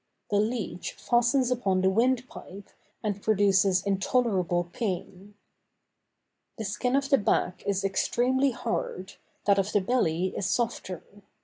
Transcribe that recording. The leech fastens upon the wind pipe, and produces intolerable pain. The skin of the back is extremely hard, that of the belly is softer.